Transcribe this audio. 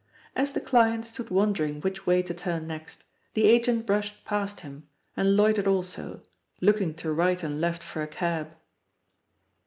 As the client stood wondering which way to turn next, the agent brushed past [THE POSITION OP PEGGY HARPER him, and loitered also, looking to right and left for a cah.